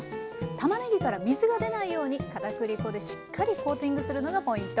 たまねぎから水が出ないように片栗粉でしっかりコーティングするのがポイント。